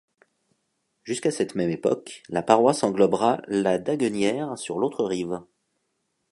Jusqu'à cette même époque, la paroisse englobera La Daguenière sur l'autre rive.